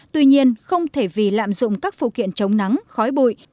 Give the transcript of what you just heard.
tuy nhiên không thể vì lạm dụng các phụ kiện chống nắng khói bụi